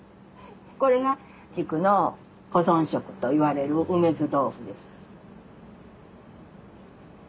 これが地区の保存食といわれる梅酢豆腐です。